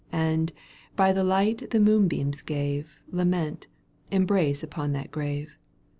And, by the light the moonbeams gave, Lament, embrace upon that grave.